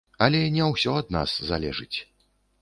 Але не ўсё ад нас залежыць.